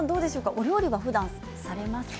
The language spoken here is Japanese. お料理は、ふだんされますか。